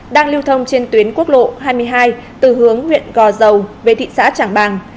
đang lưu thông trên tuyến quốc lộ hai mươi hai từ hướng huyện gò dầu về thị xã trảng bàng